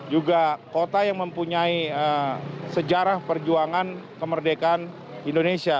juga kota yang mempunyai sejarah perjuangan kemerdekaan indonesia